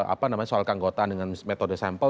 apa namanya soal keanggotaan dengan metode sampel